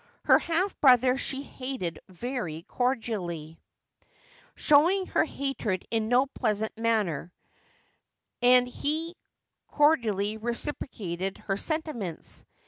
Her half brother she hated very cordially, showing her hatred in no pleasant manner, and he cor dially reciprocated her sentiments.